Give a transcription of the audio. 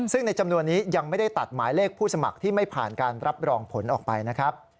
ซึ่งในจำนวนนี้ยังไม่ได้ตัดหมายเลขผู้สมัครที่ไม่ผ่านการรับรองผลออกไปนะครับ